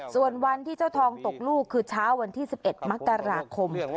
ส่วนวันที่เจ้าทองตกลูกคือเช้าวันที่๑๑มกราคม